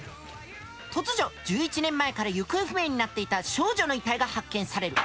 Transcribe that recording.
突如１１年前から行方不明になっていた少女の遺体が発見される。